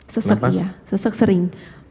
sesek iya sesek sering